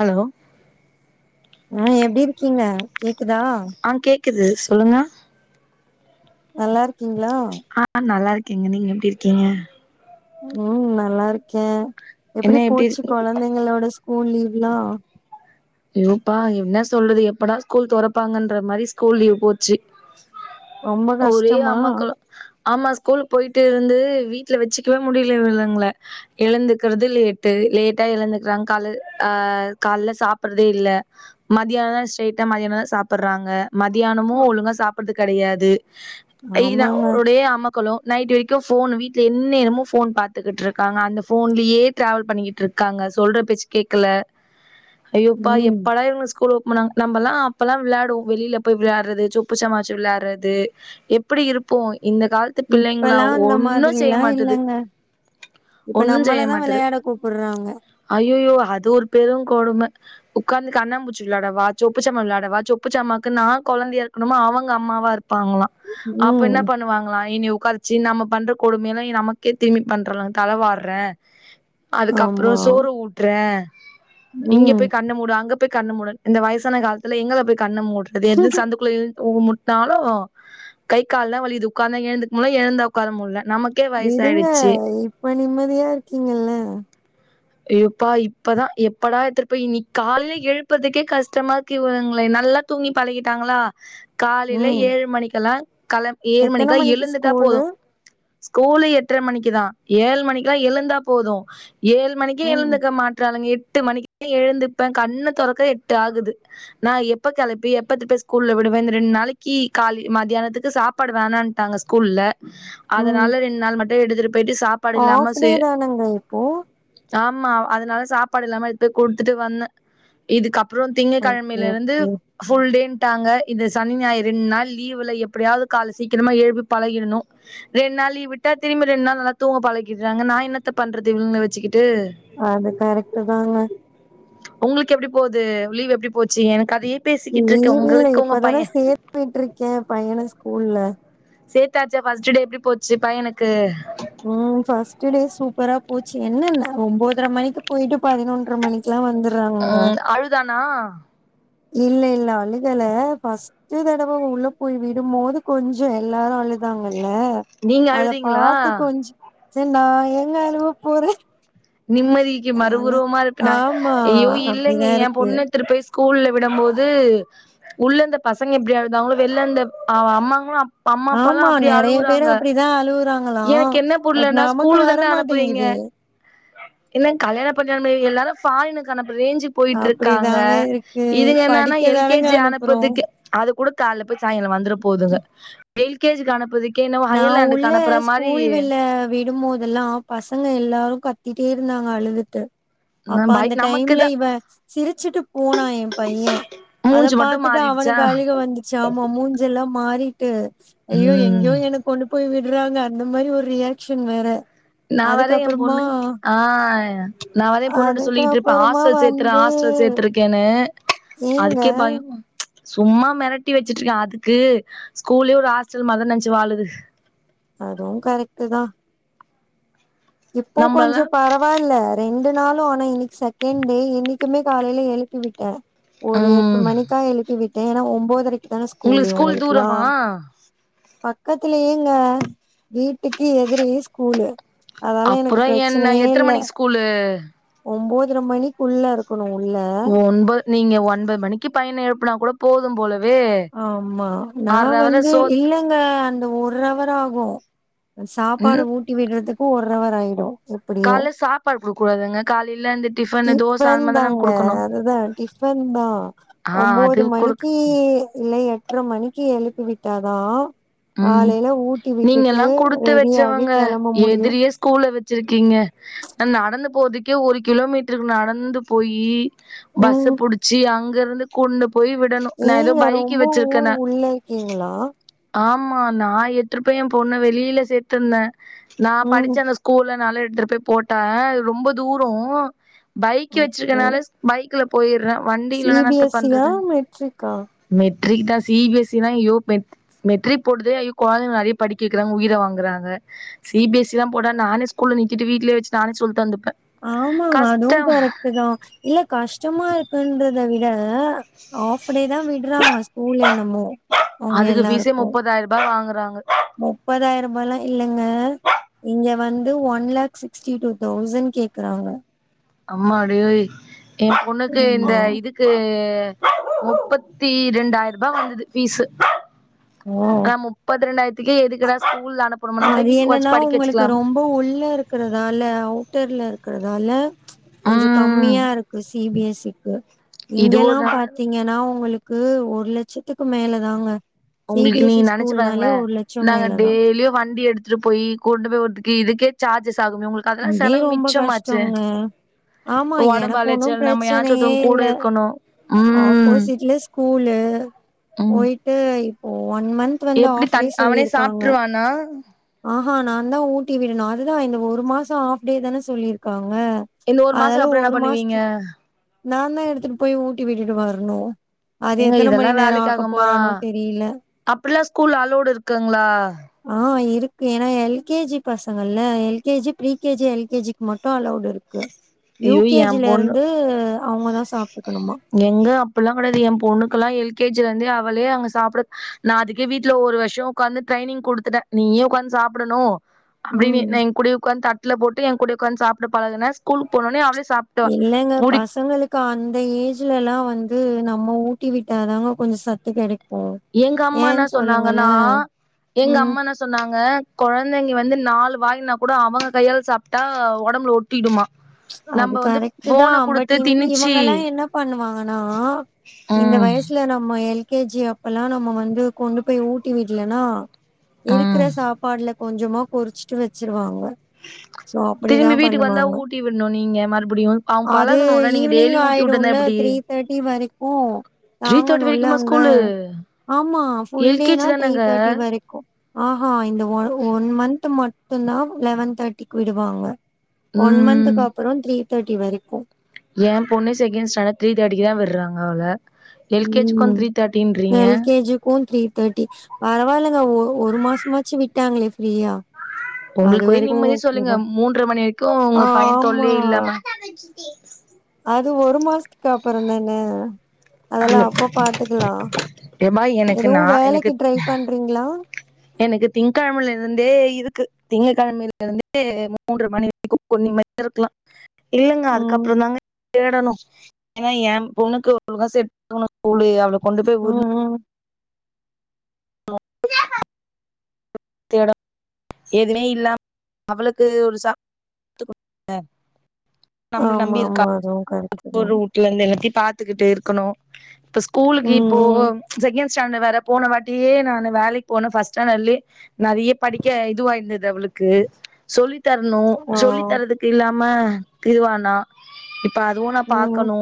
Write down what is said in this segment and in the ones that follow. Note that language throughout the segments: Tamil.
ஹலோ ஆ எப்டி இருக்கீங்க கேக்குதா அ கேக்குது சொல்லுங்க நல்லார்க்கீங்ளா ஆ நல்லார்க்கேங்க நீங்க எப்டி இருக்கீங்க ம் நல்லா இருக்கே எப்டி என்ன போச்சு இருக்கீங்க கொழந்தைங்களோட ஸ்கூல் லீவ்லா ஐயோப்பா இன்ன சொல்றது எப்படா ஸ்கூல் தொறப்பாங்கன்ற மாரி ஸ்கூல் லீவ் போச்சு ரொம்ப ஒரே கஷ்டமா அம்மக்களோ ஆமா ஸ்கூலு போயிட்டு இருந்து வீட்ல வச்சுக்கவே முடில இவலுங்ள எழுந்துக்கற்து லேட்டு லேட்டா எழுந்துக்கிறாங் கால அ கால்ல சாப் ப்றதே இல்ல மதியான ஸ்ரைட்ட மதியந்தா சாப்பிற்றாங்க மதியானமு ஒழுங்க சாப் ப்றது கடையாது டெய்தா ஆமாங்க ஒடே அமக்களு நைட் வெரைக்கு ஃபோன் வீட்ல என்நேரமு ஃபோன் பாத்துகிட்ருக்காங்க அந்த போன்லியே டிராவல் பண்ணிக்கிட்ருக் காங்க சொல்ற பேச்சு கேக்கல ஐயோப்பா ம் எப்படா இவங்க ஸ்கூல் போனாங் நம்பல்லா அப்பலா விளாடுவோ வெளியில போய் விளையாட்றது சொப்பு சமாவச்சு விளையாட்றது எப்பிடி இருப்போ இந்த காலத்து பிள்ளைங்களா இப்பல்லா அந்த ஒன்னு செய்ய மாதிரில்லா மாட்டுது இல்லங்க இப்ப நம்மளதா வெளையாட கூப்பிற்றாங்க ஐய்யய்யோ அது ஒரு பெரும் கொடும உக்காந்து கண்ணா பூச்சி விளாடவா சொப்பு ஜமா விளாடவா சொப்பு ஜாமாக்கு நா குழந்தையா இருக்குனுமா அவுங்க அம்மாவா இருக் ப்பாங்களா அப்ப ம் என்ன பண்ணுவாங்களா இனி உக்கார சி நம்ம பண்ற கொடுமையெல்லா இ நமக்கே திரும்பி பண்றலங் தலவார்றே அதுக்கப்பறோ ஆமா சோறு ஊட்றே [unintelligible] இங்க போய் கண்ண மூடு அங்க போய் கண்ண மூடுன் இந்த வயசான காலத்துல எங்கள போய் கண்ண மூடுற அது எதுவும் சந்துக்குள்ள இழ் தலவா கை கால்லா வலிகுது உக்காந்தா எழுந்துக் முல எழுந்தா உக்கார முல்ல நமக் விடுங்க இப்ப நிம்மதியா இருக்கீங்கல்ல எப்பா இப்பதா எப்படா எத்துட்டுப்போய் இன்னி காலைல எழுப்புறதுக்கே கஷ்டமா க்கி இவங்களே நல்லா தூங்கி பழகிட்டாங்களா காலைல ம் ஏழு மணிக்கெல்லா கள ஏழு எத்தன மணிக்கா மணிக்கு எழுந்துட்டா போது ஸ்கூலு ஸ்கூல் எட்ர மணிக்குதா ஏழுமணிக்குல்லா எழுந்தா போது ஏழு மணிக் கு ம் எழுந்துக்க மாட்றாலுங்க எட்டு மணிக்கு எழுந்துப்பேன் கண்ண தொறக்க எட்டு ஆகுது நா எப்ப கெளப்பி எப்பத்துட்ட ஸ்கூல்ல விடுவே இந்த ரெண்டு நாளைக்கு காலில மத்தியானத்துக்கு சாப் பாடு வேணான்ட்டாங்க ஸ்கூல்ல அதனால ரெண் நாள் மட்டு எடுத்துட்டு போயிட்டு சாப் ஆ ஆஃப்டே தானங்க இப்போ ஆமா அதனால சாப்பாடு இல்லாம எத்து போய் குடுத்துட்டு வந்த இதுக்கப்பறோ ஓகே திங்க்கெழமைல இருந்து ஓகே ஃபுல் டேன்ட்டாங்க இந்த சனி ஞாயிறு ரெண்டு நாள் லீவுல எப்டியாவ்து கால சீக்கிரமா எழுப்பி பழகிரணு ரெண் நாள் லீவு விட்டா திரிம்ப ரெண் நாள் நல்லா தூங்க பழகிடுறாங்க நா என்னத்த பண்றது இவ்லுங்கள வச்சுகிட்டு அது கரைட்டு தாங்க உங்களுக்கு எப்டி போகுது லீவ் எப்டி போச்சு என கதயே பேசிக்கிட்டுருக்க உங்களுக்கு உங்க பைய போட்டுருக்கே பையன ஸ்கூல்ல சேத்தாச்சா ஃபர்ஸ்டு டே எப்டி போச்சு பையனுக்கு ம் ஃபஸ்ட் டே சூப்பரா போச்சு என்னன்னா ஒம்போதர மணிக்கு போயிட்டு பதினொன்ற மணிக் க்லா வந்துறாங்க ஆ அழுதானா இல்ல இல்ல அழுகல ஃபஸ் ட்டு தடவ உள்ள போய் விடும்போது கொஞ்சோ எல்லாரு அழுதாங்கல்ல நீங்க அத அழுதீங்களா பாத்து கொஞ்சொ சர் நா ஏங்க அழுவ போறே நிம்மதிக்கு நாலா மறுஉருவமா இருப்ப நா ஆமா யய்யோ இல்லங்க அப்டிதா ஏ இருக்கு பொண்ணு எடுத்துட்டு போய் ஸ் கூல்ல விடம்போது உள்ளந்த பசங்க எப்டி அழுதாங்களோ வெள்லந்த அவ அம்மாங்களு அப் பா அம்மா அப்பால்லா அப்டி அழுவுறாங்க தா அழுவுறாங்கல எனக்கு என்ன பட் புரியலன்னா நமக்கு ஸ்கூலுக்கு தான அனுப்புறீங்க வரமாடிங்குதே என்ன கல்யாணோ பண்ண நம்ம எல்லாரு ஃபாரினுக்கு அனுப்புற ரேஞ்சு போயிட்டு இருக்காங்க அப்டிதாங்க இருக்கு இதுங்க என்னன்னா எல் கே படிக்கதானங்க ஜி அனுப்புறோ அனுப்பதுக்கே அது கூட கால்ல போய் சாய்ந்தரோ வந்துற போதுங்க எல் கே ஜி க்கு அனுப்புறதுக் நா உள்ள ஸ்கூல் விள்ள விடும்போதுல்லா பசங்க எல்லாரு கத்திட்டே இருந்தாங்க அழுதுட்டு அப்ப அந்த டைம்ல நமக்குதா இவ சிரிச்சுட்டு போனா எ பைய அத மூஞ்சு மட்டு பாத்துட்டு மாறிடுச்சா அவனுக்கு அழுக வந்துடுச்சு ஆமா மூஞ்சு செல்லா மாரிட்டு ஐயோ ம் எங்யோ எனக் கொண்டு போய் விடுறாங்க அந்த மாரி ஒரு ரியாக்ஷன் வேற நான் வேற எ அதுக்கப்புறமா பொண்ணு ஆ நா வேற எ பொண்ணுட்ட சொல்லிக்ட்டுருப்ப அதுக்கப்புறமா ஹாஸ்டல் சேத்தரே வந்து ஹாஸ்டல் சேத்தருக் கேன்னு ஏங்க அதுக்கே பயமா சும்மா மெரட்டி வச்சுட் இருக்கே அதுக்கு ஸ்கூலு ஒரு ஹாஸ்டல் மாரிதா நெனைச்சு வாழுது அதுவு கரெக்ட் தா இப்போ கொஞ்சோ நம்மளலா பரவா பரவால்ல ரெண்டு நாளு ஆனா இன்னைக்கி செகண்ட் டே இன்னைக்கிமே காலையில எழுப்பி விட்டே ஒரு எட்டு ம் மணிக்கா எழுப்பி விட்டே ஏனா ஒம்போதரைக்கு தான ஸ்கூல் உங்களுக்கு இவங்ளுக்குலா தூரமா பக்கத்துலியேங்க வீட்டுக்கு எதிரே ஸ்கூலு அதலா எனக்கு அப்புறோ என்ன பிரச்சனையே எத்தன இல்ல மணிக்கு ஸ்கூலு ஒம்பதரை மணிக்குள்ள இருக்குணு உள்ள ஒன்பது நீங்க ஒன்பதுமணிக்கு பையன எழுப்புனா கூட போது போல ஆமா நா வந்து சோத் இல்லைங்க அந்த ஒரு ஹவர் ஆகு சாப்பாடு ம் ஊட்டி விடுறதுக்கு ஒரு ஹவர் ஆயிடு எப்டியு கால்ல சாப்பாடு குடுக்க கூடாதுங்க காலையில இந்த டிஃபனு தோச அந்த டிஃன் மாரி தானங்க தாங்க குடுக்கணு அதுதா டிஃன் டீஃபன் தா ஆ ஒம்போது அது குடுக் மணிக்கு டி இல்ல எட்டர மணிக்கு எழுப்பி விட்டாதா ம் காலையில ஊட்டி விட்டுட்டு நீங்கல்லா ரெடியாகி கெளம்ப முடியு ஸ்கூல வச்சிருக்கீங்க நா நடந்து போதுக்கே ஒரு கிலோமீட்டருக்கு நடந்து போயி பஸ்ஸ ம் புடிச்சு அங்க இருந்து கொண்டு போய் விடணு நா ஏதோ பைக்கு வச்சிருக்கேனா ஈங்களா ஆமா நா எத்துரு போய் ஏ பொண்ண வெளியில சேத்திருந்தே நா ம் படிச்ச அந்த ஸ்கூல்லனாலா எடுத்துட்டு போய் போட்டே ரொம்ப தூரோ பைக் ஓகே வச்சிருக்குனால பைக்ல போயிற வண்டில சி இல்லனா பி என்னாத்த எஸ் சி யா பண்றது மெட்ரிக்கா மெடரிக் தா சி பி எஸ் சினா யோ மெட் மெட்ரிக் போடுதே ஐயோ குழந்தைங்க நெறைய படிக்க வைக்கிறாங்க உயிர வாங்குறாங்க சி பி எஸ் சிலா போட்டா நானே ஸ்கூல்ல நித்திட்டு வீட்லே வச்சு நானே சொல்தத்துப்ப ஆமாங்க அதுவு கரெக்ட் தா இல்ல கஷ்டமா இருக் பண்றத விட ஆஃப் டே தா விட்றாங்க ஸ்கூல் என்னமோ ஒங்க எல்லா இருக்கு பா வாங்குறாங்க முப்பதாயிரோ ரூபால்லா இல்லங்க இங்க வந்து one lakh sixty two thousand கேக்குறாங்க அம்மாடியோய் ஏ பொண்ணுக்கு இந்த ஆமா இதுக் கு முப்பத்தி ரெண்டாய்ரூபா வாங்குது பீஸு ஓ ஆ முப்பத் ரெண்டாயிரத்துக்கே எதுக்குடா ஸ்கூல் அனுப் அது என்னன்னா உங்களுக்கு ரொம்ப உள்ள இருக்கிறதால அவுட்டர்ல இருக்கிறதால கொஞ்சோ ம் கம்மியா இருக்கு சி பி எஸ் சிக்கு இது இங்கெல்லா ஒரு நல்லது பாத்தீங்கன்னா உங்களுக் க்கு ஒரு லட்சத்துக்கு மேலதாங்க சி பி உங்ளுக் எஸ் சி நீங்க நெனச்சு ஸ்கூல்னாலே பாருங்கள ஒரு லட்சோ நாங்க மேலதா டெய்லியு வண்டி எடுத் துட்டு போயி கொண்டு போய் வுடுறதுக்கே இதுக்கே சார்ஜஸ் ஆகுமே உங்களுக்கு அதலா இதே செலவு ரொம்ப மிச்சமாச்சே கஷ்டோங்க ஆமா ஒடம்பு எனக்கு ஒன்னு அலச்சல் நம்ம பிரச்சனையே யாற்றத்துக் கூட இல்ல இருக்கணு ம் ஆப்போசிட்ல ஸ்கூலு ம் போயிட்டு இப்போ ஒன் மந்த் வந்து எப்டி ஹாஃப் டே தன் அவனே சொல்லிருக்காங்க சாப்ட்ருவானா ஆஹா நாதா ஊட்டி விடணு அதுதா இந்த ஒரு மாசோ ஹாஃப் டே தான சொல்லி இருக்காங்க இந்த ஒரு மாசோ அதலா அப்றோ என்ன ஒரு பண்ணுவீங்க மாசத்துக் நாதா எடுத்துட்டு போய் ஊட்டி விட்டுட்டு வரணு ஏங்க இதெல்லா வேலைக்காகுமா தெரியல. அப்டிலா ஸ்கூல்ல அலோடு இருக்குங்ளா ஆ இருக்கு ஏன்னா எல் கே ஜி பசங்கள்ல்ல L K G pre K G L K G க்கு மட்டு அலோடுஇருக் கு யூ ஐயோ கே ஏ ஜி பொண்ணு லருந்து அவுங்கதா சாப்ட்டுக்கணுமா எங்க அப்பல்லா கடயாது எம் பொண்ணுக்கெல்லா எல் கே ஜி ல இருந்து அவளே அங்க சாப்ட நா அதுக்கே வீட்ல ஒரு வருஷோ உக்காந்து ட்ரைனிங் குடுத்துட்டே நீயே உக்காந்து சாப்டணு அப்டின் ம். எ என் கூடையே உட்காந்து தட்ல போட்டு எங்கூடயே உக்காந்து சாப்ட்டு பழகுன ஸ்கூல்க் போனோனே அவளே சாப் இல்லங்க பசங்களுக் க்கு அந்த ஏஜ்லல்லா வந்து நம்ம ஊட்டி விட்டாதாங்க கொஞ்சோ சத்து கெடைக்கூ எங்க அம்மா என்னா சொன்னாங்கன்னா எங்க ம். அம்மா என்னா சொன்னாங்க கொழந்தைங்க வந்து நாலு வாயினா கூட அவங்க கையால சாப்ட்டா ஒடம்புல ஒட் ட்டிடுமா அது கரெக்ட்தா பட் இவ் திணிச்சு இவங்கல்லா என்ன பண்ணுவாங்கன்னா இந்த ம் வயசுல நம்ம எல் கே ஜி அப் இப்பல்லா நம்ம வந்து கொண்டு போய் ஊட்டி விட்லனா இருக்கிற ம் சாப்பாடுல கொஞ்சமா கொறிச்ட்டு வச்சிருவாங்க சோ அப்படிதா பண்ணுவாங்க விட்னு நீங்க மறுபடியு அவங்க அது பழகணுல நீங்க ஈவினிங் டெய்லி ஊட்டி விட்டுருந்தா ஆயிடுல்ல எப்டி த்ரீ தேட்டி வரைக்கூ த்ரீ தேர்ட்டி தாங்கணுல்ல வரைக்குமா அங்க ஸ்கூலு ஆமா ஃபுல் எல் கே ஜி டேனா த்ரீ தானங்க தேட்டி வரைக்கூ ஆஹா இந்த ஒ ஒன் மந்த் மட்டுந்தா லெவன் தேட்டிக்கு விடுவாங்க ஒன் ம் மந்த்க்கு அப்புறோ த்ரீ தேட்டி வரைக்கூ ஏ பொண்ணை செகேன்ஸ்டான்டட் த்ரீ தேட்டிக்கிதா விட்றாங்க அவள எல் கே ஜி கொண்டு ம் த்ரீ தேர்ட்டின்றீங்க எல் கே ஜிக்கூ த்ரீ தேட்டி பரவால்லங்க ஒ ஒரு மாசமாச்சு விட்டாங்ளே ஃப்ரீயா அது உங்களுக்கு ஒரே வரைக்கு நிம்மதி சொல்லுங்க ஓகேதா மூன்ற மணி வரைக்கூ உங்க பையன் ஆமா தொல்லே இல்லாம அது ஒரு மாஸ்த்துக்கு அப்புறோ தான அதெல்லா அப்ப பாத்துக்கலா ஏமா எனக்கு எது நா எனக்கு வேலைக்கி ட்ரை பண்றீங்ளா எனக்கு திங்கெழமல இருந்தே இருக்கு திங்ககெழமையில இருந்தே மூன்ற மணி வரைக்கூ கொஞ்ச நம்மதி யா இருக்லா இல்லங்க ம் அதுக்கப்றோ தாங்க தேடணு ஏன்னா ஏ பொண்ணுக்கு அவளுக்கா செட் ஆகணு ஸ்கூலு அவள கொண்டு போய் வுட்னு ம் ம் தேட எதுமே இல்லாம அவளுக்கு ஒரு [inaudible] நம்மள ஆமா நம்பி இருக்கா ஆமா அதுவு கரெக்ட் [inaudible] தா ஒரு வூ ட்லந்து எல்லாத்தையு பாத்துகிட்டு இருக்கணு இப்ப ஸ்கூலுக்கு ம் இப்போ ம் செகண்ட் ஸ்டாண்டட் வேற போன வாட் ட்டியே நானு வேலைக் போன ஃபஸ் ஸ்டாண்டட்லே நறைய படிக்க இதுவாய்ந்து து அவளுக்கு சொல்லி தர்னு ஆ சொல்லி தரதுக்கு இல்லாம இதுவானா இப்ப அதுவு நா ம் பாக்கணு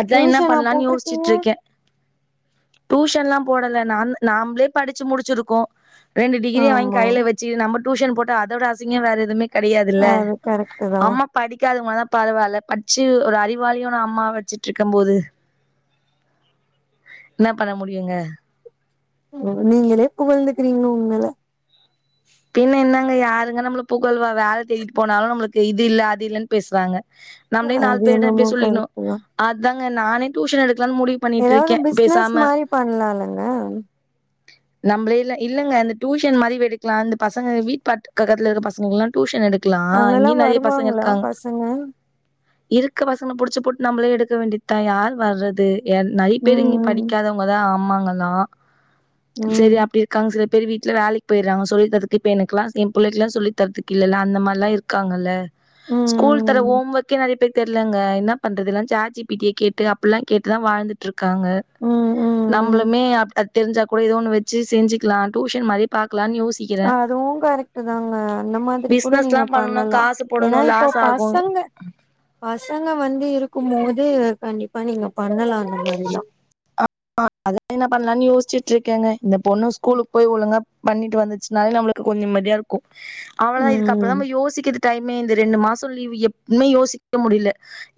அதா என்னா டியூஷனா பண்லான் போட்ருக்கீங்க யோஸ்சுட்ருக்கே டூஷன்லா போடல நா நாம்ப்ளே படிச்சு முடிச்சிருக்கோ ரெண்டு டிகிரிய வாங்கி ஆமா கைல வச்சுகிட்டு நம்ப டூஷன் போட்டா அதோட அசிங்கோ வேற எதுமே க கடயாதுல்ல அது கரெக்ட் தா அம்மா படிக்காதவுங்கல்லா பரவால்ல பட்ச்சு ஒரு அறிவாளியான அம்மா வச்சிட்ருக்கம்போது என்னா பண்ண முடியுங்க ம் நீங்களே புகழ்ந்துக்கிறீங்க உங்கள பின்ன என்னங்க யாருங்க நம்மள புகழ்வா வேல தேடிட் போனாலு நம்மளுக்கு இது இல்ல அது இல்லன் பேசுராங்க நம்ளே நாலு அது பேர்ட இப்டி என்னமோ சொல்லிக்ணு கரெக்ட் தா அதாங்க நானே டூஷன் எடுக்லான் முடிவ் எதாவ்து பிஸ்னஸ் மாரி பண்லாலங்க நம்ளே இல்ல இல்லங்க அந்த டூஷன் மாரி எடுக்லா அந்த பசங்க வீட் பாட் பக்கத்துல இருக்க பசங்களுக்லா டூஷன் எடுக்லா அங்கல்லா இங்கி நெறைய பசங்க வருவாங்களா இருக்காங்க பசங்க இருக்க பசங்கள புடிச்சு போட்டு நம்ளே எடுக்க வேண்டிதா யார் வறது என் நறைய பேரு இங்க ம் படிக்காதவங்கதா அம்மாங்கல்லா செரி ம் அப்டி க்காங் சில பேர் வீட்ல வேலக்கி பொய்றாங்க சொல்லி தர இப்ப எனக்லா ஏ புள்ளைக்லா சொல்லி தர்துக்கு இல்லல்ல அந்த மார்லா இருக்காங்கல்ல ம் ஸ்கூல் தர ம் ஹோம் ஒர்க்கே நெறைய பேர்க் தெர்லங்க என்ன பண்றது எல்லா சாட் ஜி பிடிய கேட்டு அப்பிலா கேட்டுதா வாழ்ந்திட் ருக்காங்க ம் ம் ம் நம்ளுமே அப் அத் தெரிஞ்சா கூடோ எதோ ஒன்னு வெச்சி செஞ்சிக்லா டூஷன் மாரி பாக்லான் யோஷ் அதுவு கரெக் ட்டு தாங்க அந்த மாதிரி கூட பிசினஸ்லா நீங்க பண்ணனுனா பண்ணலா காசு ஏனா போடணு இப்போ லாஸ் ஆகு பசங்க பசங்க வந்து இருக்கும்போது கண்டிப்பா நீங்க பண்ணலா அந்த மாரிலா ஆ ஆ அதா என்ன பண்லான் யோச்சிட்ருக்கேங்க இந்த பொண்ணு ஸ்கூலுக் போய் ஒழுங்கா பண்ணிட்டு வந்துச்சினாலு நம்ளுக்கு கொஞ்ச நிம்மதியாருக்கு அவ்ளதா இதுக்கப்றோ தா ம் நம்ம யோசிக்கிது டைமே இந்த ரெண்டு மாச லீவு எப்மே யோசிக்க முடில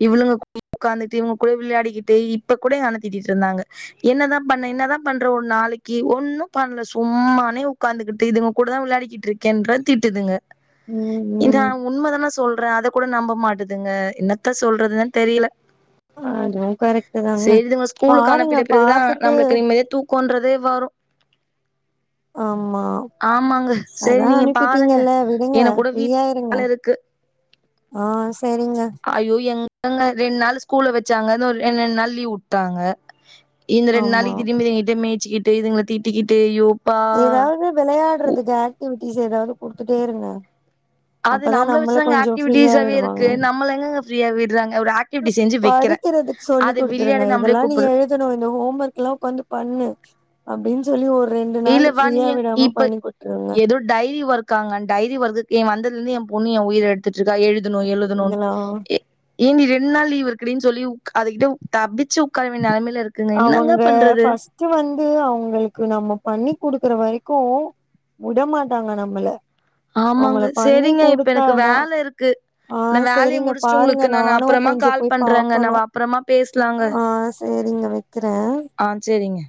இவ்ளுங்க கூட ஒக்காந்துட்டு இவுங்க கூட விளயாடிக்கிட்டு இப்ப கூட எங்க அண்ணே திட்டிட்ருந்தாங்க என்னதா பண்ண என்னதா பண்ற ஒரு நாளைக்கி ஒன்னு பண்ல சும்மானே ஒக்காந்துகிட்டு இதுங்க கூடதா விளயாடிக்கிட்ருக்கேன்ற திட்டுதுங்க ம் இந்த ம் உண்மதான சொல்றே அத கூட நம்ப மாட்டுதுங்க என்னத்த சொல்றதுனே தெரில அதுவு கரெட் சேரி இதுங்கல ஸ்கூலுக்கு அனுப்பிட்ட பிறகுதா நம்ளுக்கு நிம்மதியா தூக்கோன்றதே வரு ஆமா ஆமாங்க சரி அதா நீங்க பாருங்க அனுப்பிட்டீங்கல்ல விடுங்க எனக்கு கூட வீட் ஃப்ரீயா இருங்க வேல இருக்கு ஆ செரிங்க அய்யோ எங்கங்க ரெண் நாள் ஸ்கூல வெச்சாங்க இதோ ஒரு ரெண்ரெண் நாள் லீவ் வுட்டாங்க இந்த ரெண்டு ஆமா நாளிக்கி திரும்பி இதுங்கிட்ட மேய்ச்சிகிட்டு இதுங்கள திட்டிக்கிட்டு அய்யோ எதாது வெளயாட்றதுக்கு ஆக்டிவிட்டிஸ் எதாது குடுத்துட்டே இருங்க அது அப்பதா நம்ள நம்மள வச்சிதாங்க கொஞ்சோ ஃப்ரீயா ஆக்டிவிட்டிஸாவே இருக்கு விடுவாங்க நம்ள எங்கங்க ஃப்ரீயா விட்றாங்க ஒரு ஆக் படிக்கிறது சொல்லி குடுத்துருங்க நம்மளே இதெல்லா நீங்க கூப்புடு எழு துணு இன்னு ஹோம் ஒர்க்ல்லா ஒக்காந்து பண்ணு அப்டின் சொல்லி ஒரு ரெண் டு நாள் இல்ல வா ஃப்ரீயா நீயே விடாம இப்ப பண்ணி குடுதுருங்க ஏதோ டைரி ஒர்க்காங்க டைரி ஒர்க்குக் ஏ வந்தலந்து ஏ பொண்ணு ஏ உயிர எடுத்திட்ருக்கா எழுது ணு எழுதுணுன் சரிங்களா எ ஏ நீ ரெண்டு நாள் லீவ் இருக்குடின் சொல்லி உக் அது கிட்ட தப்பிச்சி உக்கார வேண்டிய நெலமைல இருக் குங்க என்னாங்க அவங்க பண்றது ஃபர்ஸ்ட் வந்து அவுங்ளுக்கு நம்ம பண்ணி குடுக்குற வரைக்கு உட மாட்டாங்க நம்ள அவங்கள ஆமாங்க பண்ணி செரிங்க இப்ப குடுத்தா எனக்கு தா வேல இருக்கு ஆ நா வேலைய சேரிங்க முடிச்சுட்டு பாருங்க உங்களுக்கு நானு அப்பறமா கொஞ்ச கால் போய் பண்றேங்க பாக்கணு நம்ம அப்பறமா பேசலாங்க ஆ சேரிங்க வெக்கறே ஆ சேரிங்க